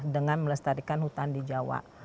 dengan melestarikan hutan di jawa